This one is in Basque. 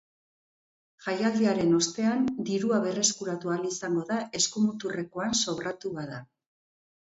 Jaialdiaren ostean, dirua berreskuratu ahal izango da eskumuturrekoan sobratu bada.